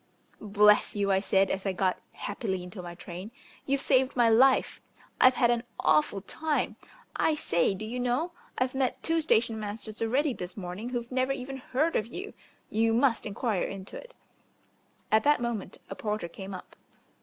"Bless you," I said, as I got happily into my train. "You've saved my life. I've had an awful time. I say, do you know, I've met two station masters already this morning who've never even heard of you. You must enquire into it." At that moment a porter came up.